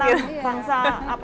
saya di rumah sudah mulai itu